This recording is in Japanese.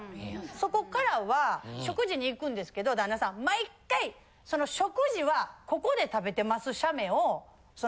そこからは食事に行くんですけど旦那さん毎回食事は。え！